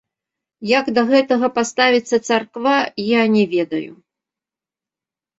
Як да гэтага паставіцца царква, я не ведаю.